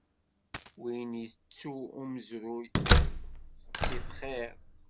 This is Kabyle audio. Win ittu umezruy, ttif xiṛ.